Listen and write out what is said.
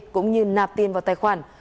cũng như nạp tiền vào tài khoản